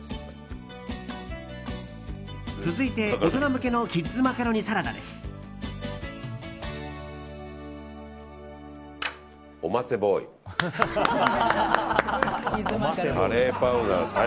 続いて、大人向けのキッズマカロニサラダです。